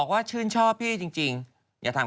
วันที่สุดท้าย